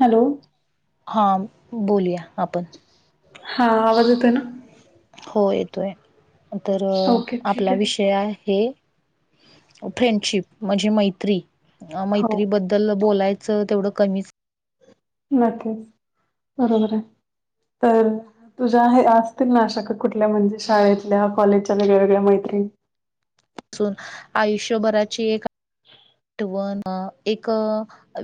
Hello. हाम बोलूया आपण. हा आवाज येतोय ना? हो येतोय तर ओके ठीक आपला आहे विषय आहे. फ्रेंडशिप म्हणजे मैत्री हो मैत्री बद्द तल्लं बोलायचं तेवढं कमीच नकीच बरोबर आहे. तर. तुझ्या हे असतील अशा कुठल्या म्हणजे शाळेतल्या कॉलेजच्या वेगळ्या वेगळ्या मैत्रीण. सुन आयुष्यभराची एक ह टो वन एक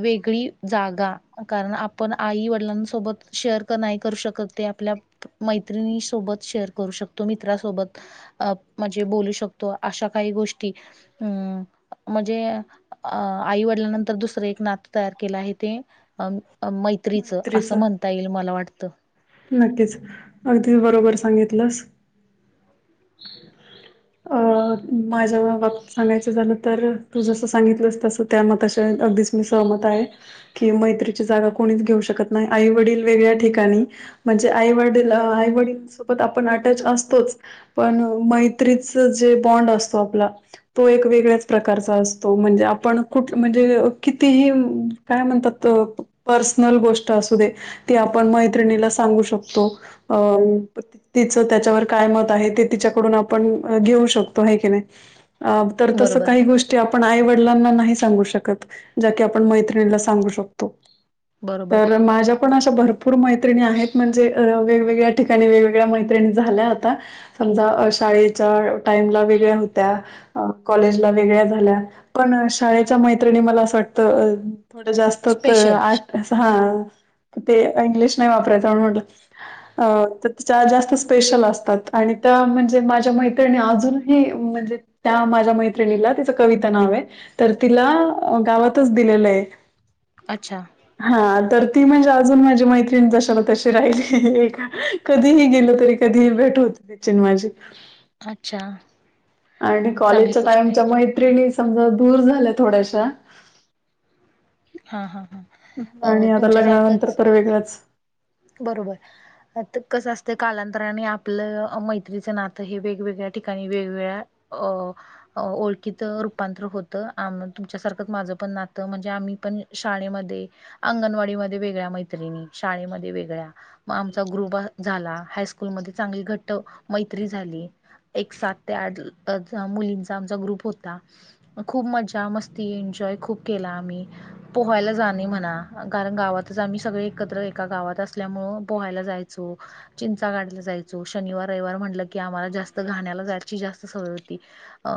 वेगळी जागा कारण आपण आई वडिलांसोबत शेअर कर नाही करू शकत ते आपल्या मैत्रिणी सोबत शेअर करू शकतो मित्रासोबत अ म्हणजे बोलू शकतो अशा काही गोष्टी अं म्हणजे अ आई वडिलानंतर, दुसरं एक नातं तयार केलं आहे. ते. अ. मैत्रीचं मैत्रीच असं म्हणता येईल मला वाटतं. नक्कीच अगदी बरोबर सांगितलंस. अ माझ्या बाबत सांगायचं झालं तर तू जसं सांगितलंस तसं त्या मताशी अगदीच मी सहमत आहे. कि मैत्रीची जागा कोणीच घेऊ शकत नाही आई वडील वेगळ्या ठिकाणी म्हणजे आई वडीला आई वडीलं सोबत आपण अटॅच असतोच. पण मैत्रीचा जे बॉन्ड असतो आपला तो एक वेगळ्याच प्रकारचा असतो. म्हणजे आपण कुठ? म्हणजे कितीही? काय? म्हणतात पर्सनल गोष्ट असू दे, ती आपण मैत्रिणीला सांगू शकतो. अ तिचं त्याच्यावर काय मत आहे ते तिच्याकडून आपण घेऊ शकतो आहे की नाय. आव तर तसं बरोबर काही गोष् जे आपण आई वडिलांना नाही सांगू शकत ज्या की आपण मैत्रिणीला सांगू शकतो. बरोबर तर माझ्या पण अशा भरपूर मैत्रिणी आहेत. म्हणजे अ वेगवेगळ्या ठिकाणी वेगवेगळ्या मैत्रिणी झाल्या आता. समजा शाळेच्या टाईमला वेगळ्या होत्या कॉलेजला वेगळ्या झाल्या पण शाळेच्या मैत्रिणी मला असं वाटतं थोडं जास् तत स्पेशल आश असं हा ते इंग्लिश नाही वापरायचा म्हणून म्हटलं. अ. तर त्या जरा जास्त स्पेशल असतात. आणि त्या म्हणजे माझ्या मैत्रिणी अजूनही म्हणजे? त्या, माझ्या मैत्रिणीला तिचं कविता नाव आहे. तर, तिला गावातच दिलेलं आहे. अच्छा हा तर ती म्हणजे अजून माझी मैत्रीण जशे तशे ही राहिलेय का कधीही गेले तरी कधीही भेट होत [inaudible] त्याचीन माझी. अच्छा! ! आणि कॉलेजच्या टाइमच्या मैत्रिणी, समजा दूर झाल्या थोड्याश्या. हा हा हा.. अ आणि आता, तुमच्यासारखंच लग्नानंतर तर वेगळंच. बरोबर. फक्त कसं? असतं कालांतराने आपलं मैत्रीचं नातं हे वेगवेगळ्या ठिकाणी, वेगवेगळ्या, अं ओळखीत रूपांतर होतं, आम तुमच्यासारखं माझं पण, नातं म्हणजे आम्ही. पण, शाळेमध्ये, अंगणवाडीमध्ये वेगळ्या मैत्रिणी, शाळेमध्ये वेगळ्या, आमचा ग्रुप झाला. हायस्कूलमध्ये चांगली घट्ट मैत्री झाली. एक सात ते आठ मुलींचा, आमचा ग्रुप होता. खूप मजा मस्ती, एन्जॉय खूप केला आम्ही. पोहायला जाणे म्हणा. कारण गावातच आम्ही सगळे एकत्र, एका गावात असल्यामुळं पोहायला जायचो. चिंचा काढायला जायचो. शनिवार, रविवार म्हटलं की आम्हाला जास्त घाण्याला जायची जास्त सवय होती. अ.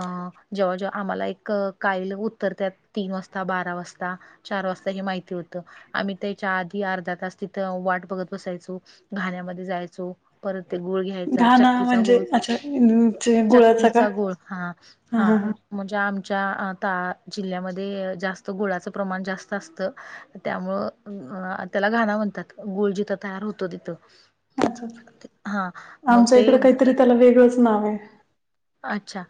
जेव्हा, जेव्हा आम्हाला एक काइल उतऱ्यात तीन वाजता, बारा वाजता. चार वाजता हे माहिती होत. आम्ही त्याच्या आधी अर्धा तास तिथं वाट बघत बसायचो. घाण्यामध्ये जायचो परत ते गोळ घ्यायचा, चक्कीचा गूळ. गुळाच का? ह. हा ह. म्हणजे? आमच्या त जिल्ह्यामध्ये, जास्त गुळाचं प्रमाण जास्त असतं. त्यामुंळ अ त्याला घाणा म्हणतात. गुळ जिथं तयार होतो तिथं. हा मग आमच्या ते इकड काहीतरी त्याला, वेगळंच नाव आहे. अच्छा! !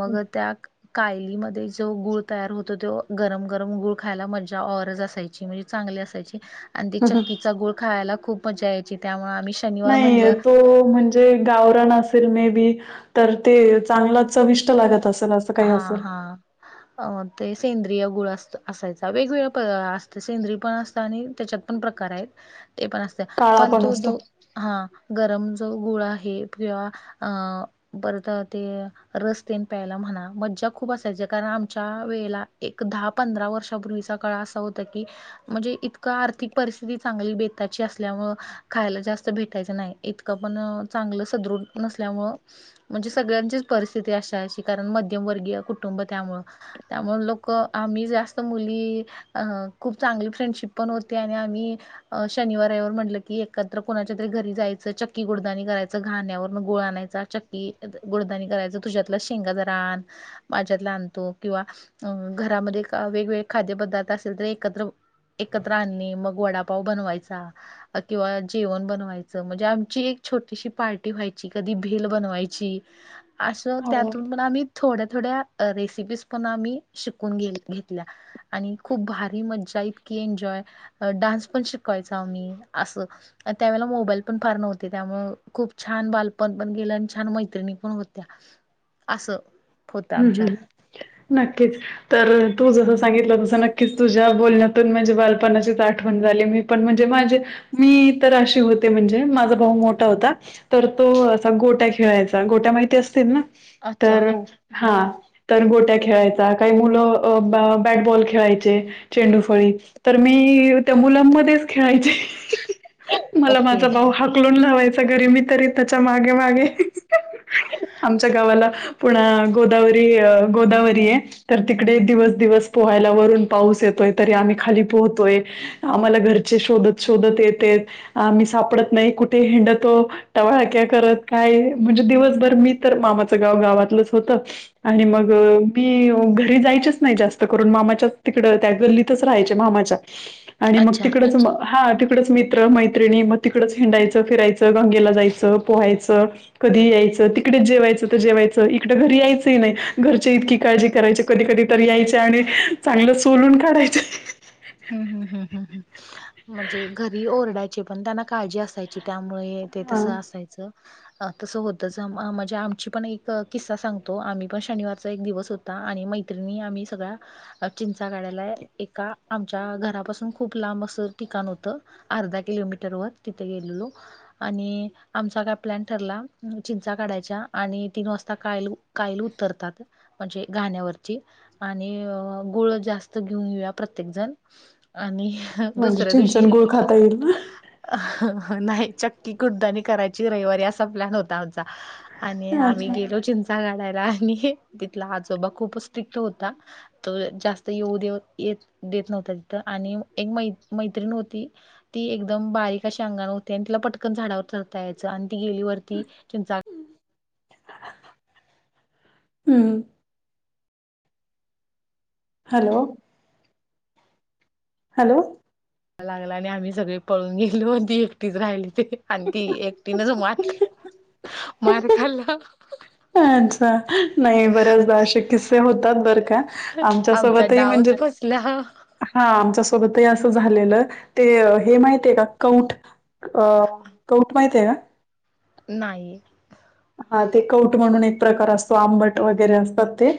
मग त्या कायलीमध्ये जो गुळ तयार होतो तो, गरम गरम गुळ खायला मज औरज असायची म्हणजे. चांगली असायची आणि ते, हं, हं. चक्कीचा गुळ खायला खूप मजा यायची त्यामुळे आम्ही. शनिवार नाही. म्हटलं येतो म्हण तै गावरान असेल मे बी तर ते चांगल चविष्ट लागत असेल असं. काही हा. असेल. हा. ते सेंद्रिय गुळ अस असायचा. वेगवेगळ प्र--असं. सेंद्रीस पण, असत आणि त्याच्यात पण प्रकार आहेत. ते पण, असत काळा पण, तो. असतो. जो. हां. गरम जो गुळ आहे, किंवा अ... परत ते रस तेन‌ प्यायला म्हणा. मज्जा खूप असायची. कारण, आमच्या वेळेला एक दहा, पंधरा वर्षापूर्वीचा काळा असा होता की. म्हणजे? इतकं आर्थिक परिस्थिती चांगली, बेताची असल्यामुळ खायला जास्त भेटायचं नाही. इतकं पण, चांगलं सदृढ नसल्यामुळं. म्हणजे सगळ्यांचीच परिस्थिती अशी, अशी कारण मध्यमवर्गीय कुटुंब त्यामुळं. त्यामुळे, लोक आम्ही जास्त मुली. अ. खूप चांगली फ्रेंडशिप पण, होती आणि आम्ही. शनिवार रविवार म्हंटलं कि, एकत्र कोणाच्या तरी घरी जायचं चक्की गुडदानी करायचं घाण्यावर गूळ आणायचा. चक्की, गुडदानी करायचं तुझ्यातला शेंगा जरा आण. माझ्यातला आणतो किंवा.. अं. घरामध्ये वेगवेगळे, खाद्यपदार्थ असेल तर एकत्र. एकत्र आणणे. मग, वडापाव बनवायचा. किंवा जेवण बनवायच. म्हणजे आमची एक छोटीशी पार्टी व्हायची. कधी भेल बनवायची. असो हो. त्यातून पण, आम्ही थोड्या, थोड्या रेसिपीज पण, आम्ही शिकून घेतल्या. आणि खूप भारी मज्जा, इतकी एन्जॉय, डान्स पण, शिकवायचा आम्ही असं. त्यावेळेला मोबाईल पण, फार नव्हते त्यामुळे खूप छान बालपण गेलं. आणि छान मैत्रिणी पण होत्या. आसं. हम्म. हम्म. नक्कीच. तर तू जसं सांगितलं तसं नक्कीच तुझ्या बोलण्यातून माझ्या बालपणाचीच आठवण झाली. मी पण म्हणजे माझे मी तर अशी होते म्हणजे माझा भाऊ मोठा होता. तर तो असा गोट्या खेळायचा गोट्या माहिती असतील ना अच्छा तर हो हा. तर गोट्या खेळायचा, काही मुलं अ बॅ-बॅटबॉल खेळायचे. चेंडूफळी तर मी त्या मुलांमध्येच खेळायची. मला ओके माझा भाऊ हाकलून लावायचा घरी. मी तरी त्याच्या मागे मागे आमच्या गावाला पुन गोदावरी अ गोदावरी आहे. तर तिकडे दिवस-दिवस पोहायला वरून पाऊस येतोय तरी आम्ही खाली पोहतोय आम्हाला घरचे शोधत-शोधत येतेत आम्ही सापडत नाही कुठे हिंडतो टवाह्याक्या करत काय म्हणजे दिवसभर मी तर मामाचं गाव गावातलंच होतं. आणि मग मी घरी जायचेच नाही जास्त करून मामाच्याच तिकडं त्या गल्लीतच राहायचे मामाच्या. [inaudible] आणि मग तिकडच म हा तिक तिकडचं मित्र मैत्रिणी मग तिकडच हिंडायचं, फिरायचं, गंगेला जायचं, पोहायचं. कधी यायचं तिकडेच जेवायचं तर जेवायचं इक ड घरी यायचंही नाही घरची इतकी काळजी करायची कधी-कधी तरी यायचे आणि चांगलं सोलून काढायचंय. हम्म हम्म हम्म हम्म हम्म म्हणजे घरी ओरडायचे पण त्यांना काळजी असायची त्यामुळे. ते हा तसं असायचं. अ तसं होतच अ म्हणजे आमची पण एक किस्सा सांगतो. आम्ही पण शनिवारचा एक दिवस हो अं आणि मैत्रिणी आम्ही सगळ्या चिंचा काढायला एका आमच्या घरापासून खूप लांब असं ठिकाण होतं. अर्धा किलोमीटरवर तिथे गेलेलो. आणि आमचा काय प्लॅन ठरला. चिंचा काढायच्या आणि तीन वाजता कायील कायली उतरतात म्हणजे घाण्यावरची आणि गुळ जास्त घेऊन येेऊया. प्रत्येक जण आणि म्हणजे दुसऱ्या चिंच दिवशी आणि गुळ खाता येईल ना. नाही चक्की कुडदानी करायची रविवारी असा प्लॅन होता आमचा. आणि ना आम्ही अच्छा गेलो चिंचा काढायला आणि तिथला आजोबा खूपच स्ट्रिक्ट होता. तो जास्त येऊ देऊ येत देत नव्हता तिथं आणि एक मै-मैत्रिण होती. ती एकदम बारीक अशी अंगानं होती आणि तिला पटकन झाडावर चाढता यायचं आणि ती गेली वरती. चिंचा हम्म. हॅलो. हॅलो. लागला आणि आम्ही सगळे पळून गेलो आणि ती एकटीच राहिली ते आणि ती एक तिनेच मात मार खाल्लं अच्छा नाही बऱ्याचदा अशे किस्से होतात बरं का. आमच्या आमचा सोबतही म्हणजे डावच फसला हा आमच्या सोबतही असं झालेलं ते हे माहितीय आहे का कौठ अ कौठ माहित आहे का? नाही हा ते कौट म्हणून एक प्रकार असतो आंबट वगैरे असतात ते.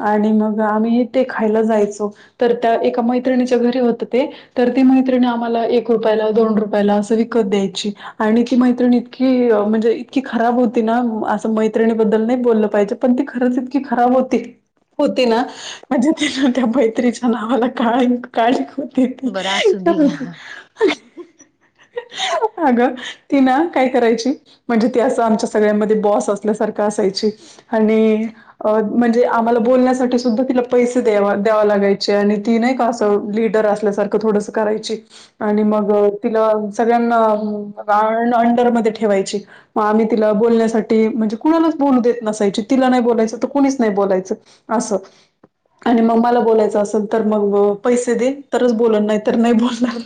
आणि मग आम्ही ते खायला जायचो तर त्या एका मैत्रिणीच्या घरी होतं ते तर ती मैत्रिण आम्हाला एक रुपयाला, दोन रुपयाला असं विकत द्यायची. आणि ती मैत्रिण इतकी म्हणजे इतकी खराब हो ती ना असं मैत्रिणी बद्दल नाही बोललं पाहिजे, पण ती खरंच इतकी खराब होती. होती ना म्हणजे तिनं त्या त्रीच्या नावाला का काळिख काळीख होती ती. बरं असू दे घ्या. [unintelligible] अगं ती ना काय करायची म्हणजे ती असं आमचा सगळ्यामध्ये बॉस असल्यासारखं असायची. आणि अ म्हणजे आम्हाला बोलण्यासाठी सुद्धा तिला पैसे द्याव द्यावा लागायचे आणि ती नाही का असं लिडर असं तुझ्यासारखं थोडंसं करायची. आणि मग तिला सगळ्यांना राड अंडरमध्ये ठेवायची. मग आम्ही तिला बोलण्यासाठी म्हणजे कुणालाच बोलू देत नसायची. तिला नाही बोलायचं तर कुणीच नाही बोलायचं. असं आणि मग मला बोलायचं असं तर मग पैसे दे तरच बोलण, नाही तर नाही बोलणार.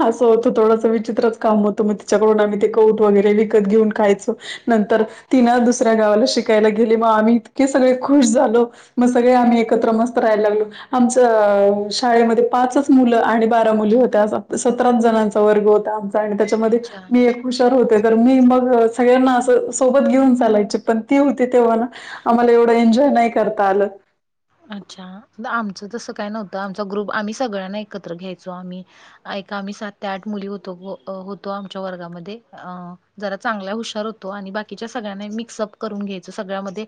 असं होतं थोडंस विचित्रच काम होतं, मग तिच्या [unintelligible] ते कौट वगैरे विकत घेऊन खायचं. नंतर तिनं दुसऱ्या गावाला शिकायला गेले, मग आम्ही इतके सगळे खुश झालो. मग सगळे आम्ही एकत्र मस्त रहायला लागलो. आमचं शाळेमध्ये पाचच मुलं आणि बारा मुली होत्या सतराच जणांचा वर्ग होता. आम आणि त्याच्यामध्ये अच्छा. मी एक हुशार होते. तर मी मग सगळ्यांना असं सोबत घेऊन चालायची, पण ती होती तेव्हा ना आम्हाला एवढं एन्जॉय नाही करता आलं. अच्छा. क्षआमचं तसं काय नव्हतं आमचा ग्रुप आम्ही सगळ्यांना एकत्र घ्यायचो आम्ही. ऐका आम्ही सात ते आठ मुली होतो अ होतो आमच्या वर्गामध्ये. अ जरा चांगल्या हुशार होतो आणि बाकीच्या सगळ्यांना मिक्सअप करून घ्यायचो सगळ्यामध्ये.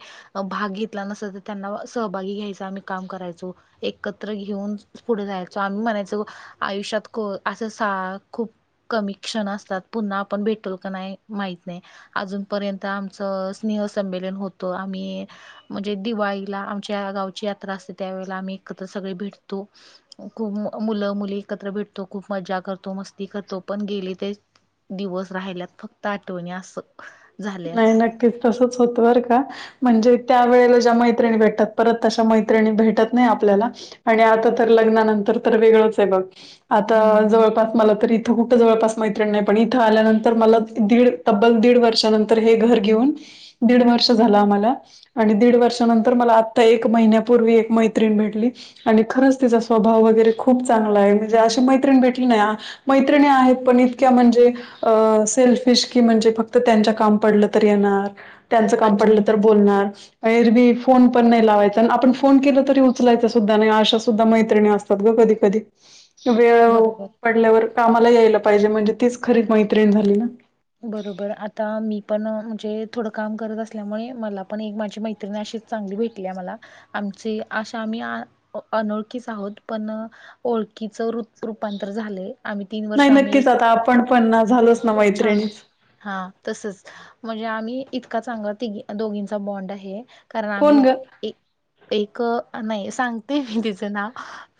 भाग घेतला नसला तर त्यांना सहभागी घ्यायचं आम्ही काम करायचो. एकत्र घेऊन पुढे जायचो. आम्ही म्हणायचो आयुष्यात को असं सा खूप कमी क्षण असतात. पुन्हा आपण भेटल का नाही माहित नाही. अजूनपर्यंत आमचं स्नेह संमेलन होतो. आम्ही म्हणजे दिवाळीला आमच्या गावची यात्रा असते, त्यावेळेला आम्ही एकत्र सगळे भेटतो. खूप मुलं मुली एकत्र भेटतो, खूप मजा करतो, मस्ती करतो. पण गेली ते दिवस राहिल्यात फक्त आठवणी असं. झाले नाही आता नक्कीच तसंच होत बर का. म्हणजे त्या वेळेला ज्या मैत्रिणी भेटतात, परत तशा मैत्रिणी भेटत नाही आपल्याला. आणि आता तर लग्नानंतर तर वेगळंच आहे बघ. आता हम्म जवळपास मला तरी इथं कुठं जवळपास मैत्रिण नाही, पण इथं आल्यानंत मला दीड तब्बल दीड वर्षानं तर हे घर घेऊन दीड वर्ष झालं आम्हाला. आणि दीड वर्षानंतर मला आत्ता एक महिन्यापूर्वी एक मैत्रीण भेटली. आणि खरंच तिचा स्वभाव वगैरे खूप चांगला आहे. म्हणजे अशी मैत्रिणी भेटली ना मैत्रिणी आहेत, पण इतक्या म्हणजे अ सेल्फिश की म्हणजे फक्त त्यांच्या काम पडलं तर येणार, त्यांच काम अच्छा पडलं तर बोलणार. एरवी फोन पण नाही लावायचा आणि आपण फोन केला तरी उचलायच सुद्धा नाही अशा सुद्धा मैत्रिणी अस [unintelligible] ग कधी कधी. वेळ बरोबर पडल्यावर कामाला यायला पाहिजे म्हणजे तीच खरीच मैत्रीण झाली ना. बरोबर आता मी पण म्हणजे थोडं काम करत असल्यामुळे, मला पण एक माझी मैत्रिणी अशीच चांगली भेटली आहे मला. आमची अशा आम्ही अनोळखीच आहोत पण ओळखीच रुत-रूपांतर झालंय. आम्ही तीन नाही वर्ष आम्ही नक्कीच आता आपण पण ना झालोच ना छान मैत्रिणीच. हा तसंच म्हणजे आम्ही इतका चांगला तीघी दोघींचा बॉन्ड आहे. कारण आम्ही कोण गं? एक एक नाही सांगते मी तिचं नाव.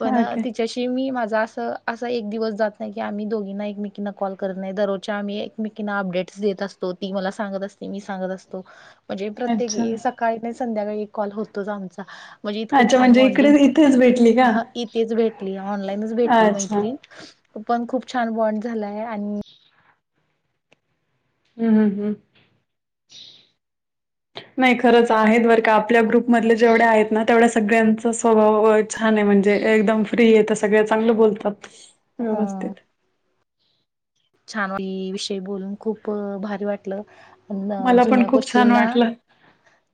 पण ओके. ति तशी मी माझा असं असा एक दिवस जात नाही की आम्ही दोघींना एकमेकींना कॉल करत नाही. दररोजच्या आम्ही एक मी कनई अपडेट देत असतो. ती मला सांगत असते, मी सांगत असतो. म्हणजे अच्छा. प्रत्ये काही नाही संध्याकाळी एक कॉल होतोच आमचा. म्हणजे इतकं अच्छा छान म्हणजे इकडे बॉंडिंग इथेच भेटली का? हा इथेच भेटली, ऑनलाईनच भेटली अच्छा. मैत्रीण. हं, पण खूप छान बॉन्ड झालाय आणि हम्म हम्म हम्म. [inaudible] नाही खरंच आहेत बरं का. आपल्या ग्रुपमधले जेवढ्या आहेत ना तेवढ्या सगळ्यांच स्वभाव छान आहे म्हणजे एकदम फ्री आहे, तर सगळे चांगलं बोलतात. हा. व्यवस्थित. छान विषय बोलून खूप भारी वाटलं. पण मला जुन्या खूप छान गोष्टींना. वाटलं.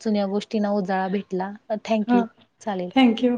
जुन्या गोष्टीं उजाळा भेटला, थँक यू हो चालेल. थँक्यू.